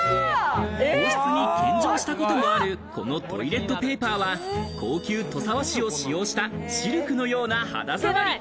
皇室に献上したこともある、このトイレットペーパーは高級土佐和紙を使用したシルクのような肌触り。